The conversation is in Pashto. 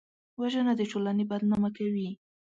وژنه د ټولنې بدنامه کوي